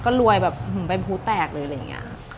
ก็รวยแบบเหมือนเป็นภูตแตกเลยอะไรอย่างเงี้ย